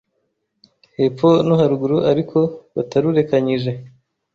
hepfo no haruguru ariko batarurekanyije